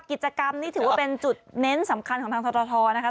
กิจกรรมนี่ถือว่าเป็นจุดเน้นสำคัญของทางทรทนะคะ